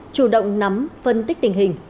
chủ động nắm phân tích tình hình